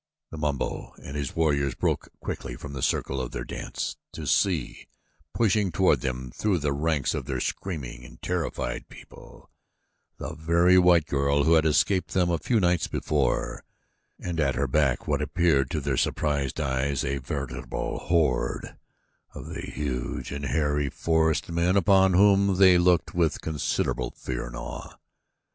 Numabo and his warriors broke quickly from the circle of their dance to see pushing toward them through the ranks of their screaming and terrified people the very white girl who had escaped them a few nights before, and at her back what appeared to their surprised eyes a veritable horde of the huge and hairy forest men upon whom they looked with considerable fear and awe.